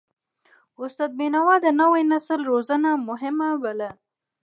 استاد بینوا د نوي نسل روزنه مهمه بلله.